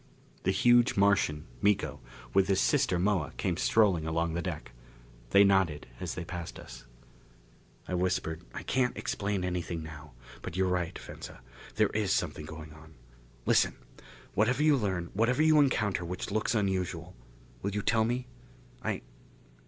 The huge Martian, Miko, with his sister Moa came strolling along the deck. They nodded as they passed us. I whispered, "I can't explain anything now. But you're right, Venza: there is something going on. Listen! Whatever you learn whatever you encounter which looks unusual will you tell me? I